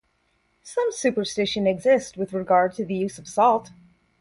Some superstition exists with regard to the use of salt.